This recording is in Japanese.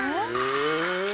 え？